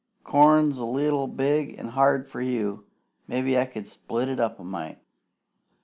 Corn's a leetle big an' hard for you. Mebby I can split it up a mite."